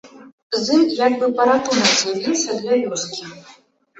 З ім як бы паратунак з'явіўся для вёскі.